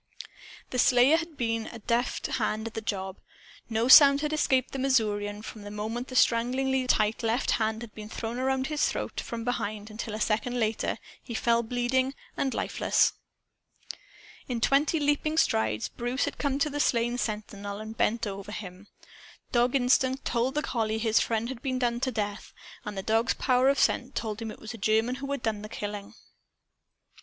The slayer had been a deft hand at the job. No sound had escaped the Missourian, from the moment the stranglingly tight left arm had been thrown around his throat from behind until, a second later, he fell bleeding and lifeless. In twenty leaping strides, Bruce came up to the slain sentinel and bent over him. Dog instinct told the collie his friend had been done to death. And the dog's power of scent told him it was a German who had done the killing.